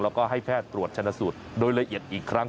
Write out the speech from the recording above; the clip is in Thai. แล้วก็ให้แพทย์ตรวจชนะสูตรโดยละเอียดอีกครั้ง